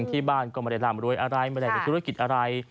ที่บ้านก็เมื่อรายราแม่บินทุรกิจอะไร